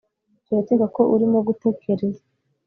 Turakeka ko urimo gutekereza